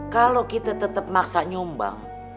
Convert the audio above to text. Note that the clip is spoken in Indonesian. kalo kita tetep maksa nyumbang